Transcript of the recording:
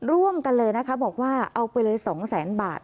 ร่วมกันเลยนะคะบอกว่าเอาไปเลย๒แสนบาท